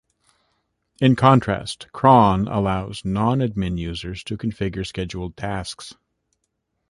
In contrast, cron allows non-admin users to configure scheduled tasks.